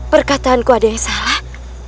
perkataanku ada yang salah